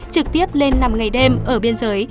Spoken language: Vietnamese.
trực tiếp lên nằm ngày đêm ở biên giới